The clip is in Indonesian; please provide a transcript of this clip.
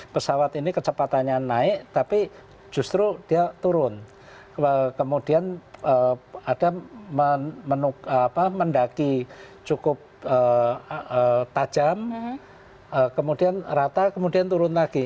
pesawat ini kecepatannya naik tapi justru dia turun kemudian ada mendaki cukup tajam kemudian rata kemudian turun lagi